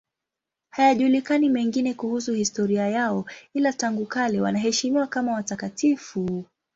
Hayajulikani mengine kuhusu historia yao, ila tangu kale wanaheshimiwa kama watakatifu.